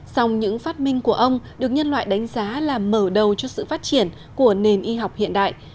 sòng những phát minh của ông được nhân loại đánh giá là mở đầu cho sự phát triển của nền y học hiện đại